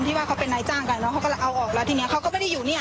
ว่าเขาเป็นนายจ้างกันเนอะเขาก็เอาออกแล้วทีนี้เขาก็ไม่ได้อยู่เนี่ย